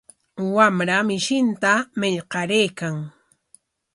Wamra mishinta marqaraykan.